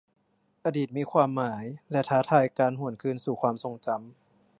อดีตมีความหมายและท้าทายการหวนคืนสู่ความทรงจำ